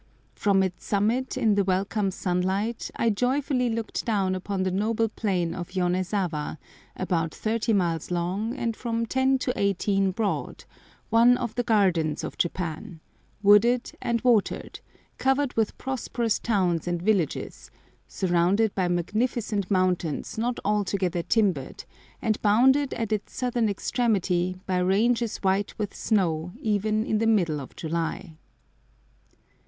From its summit in the welcome sunlight I joyfully looked down upon the noble plain of Yonezawa, about 30 miles long and from 10 to 18 broad, one of the gardens of Japan, wooded and watered, covered with prosperous towns and villages, surrounded by magnificent mountains not altogether timbered, and bounded at its southern extremity by ranges white with snow even in the middle of July.